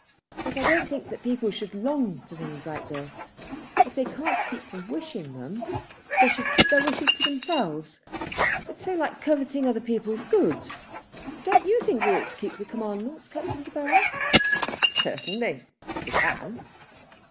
But I don't think that people should long for things like this. If they can't keep from wishing them, they should keep their wishes to themselves. It is so like coveting other people's goods. Don't you think we ought to keep the commandments, Captain De Baron?" "Certainly if we can."